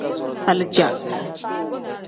Alija.